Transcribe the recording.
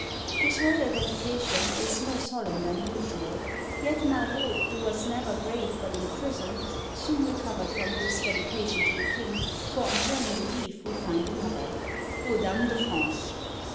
This royal dedication is more solemn than usual; yet Marot, who was never grave but in prison, soon recovered from this dedication to the king, for on turning the leaf we find another, "Aux Dames de France!"